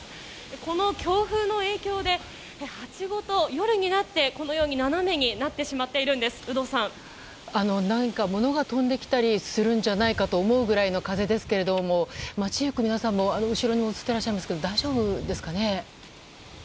この強風の影響で鉢ごと、夜になってこのように斜めになってしまっているんです物が飛んできたりするんじゃないかと思うぐらいの風ですけども街行く皆さんも大丈夫でしょうかね？